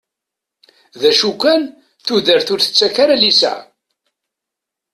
D acu kan tudert ur tettak ara liseɛ.